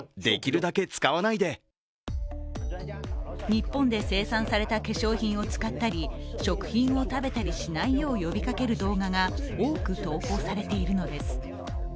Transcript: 日本で生産された化粧品を使ったり食品を食べたりしないよう呼びかける動画が多く投稿されているのです。